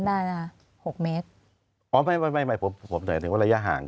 ได้นะคะหกเมตรอ๋อไม่ไม่ไม่ไม่ผมผมหน่อยถึงว่าระยะห่าง